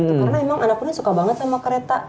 karena memang anak punya suka banget sama kereta